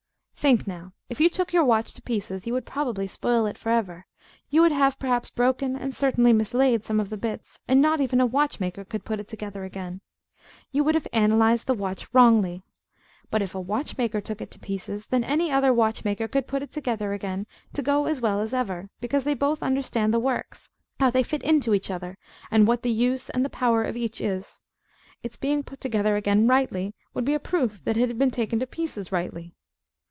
Think now. If you took your watch to pieces, you would probably spoil it for ever; you would have perhaps broken, and certainly mislaid, some of the bits; and not even a watchmaker could put it together again. You would have analysed the watch wrongly. But if a watchmaker took it to pieces then any other watchmaker could put it together again to go as well as ever, because they both understand the works, how they fit into each other, and what the use and the power of each is. Its being put together again rightly would be a proof that it had been taken to pieces rightly.